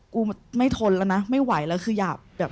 กูไม่ทนแล้วนะไม่ไหวแล้วคือหยาบแบบ